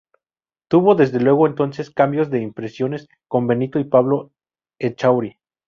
Tuvo, desde luego algunos cambios de impresiones con Benito y Pablo Echauri.